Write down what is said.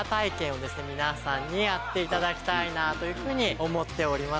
皆さんにやっていただきたいなというふうに思っております。